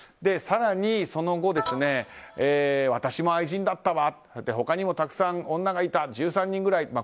更に、その後私も愛人だったわと他にもたくさん女がいた１３人ぐらい。